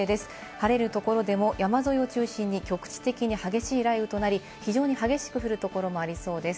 晴れるところでも山沿いを中心に局地的に激しい雷雨となり、非常に激しく降るところもありそうです。